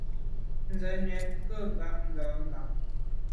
Nze ntshwèt ghù bag nda’ mbà.